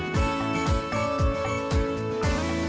สวัสดีครับ